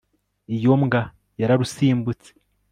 iyo mbwa yararusimbutse